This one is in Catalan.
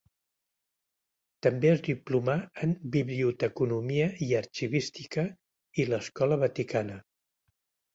També es diplomà en Biblioteconomia i Arxivística i l'Escola Vaticana.